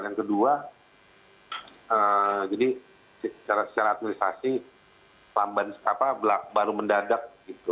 yang kedua jadi secara administrasi lamban baru mendadak gitu